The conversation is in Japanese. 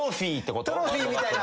トロフィーみたいな。